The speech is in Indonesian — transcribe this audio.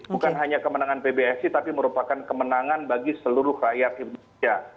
bukan hanya kemenangan pbsi tapi merupakan kemenangan bagi seluruh rakyat indonesia